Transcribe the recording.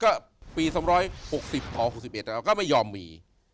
ก็ปี๓๖๐พอ๖๑แล้วก็ไม่ยอมมี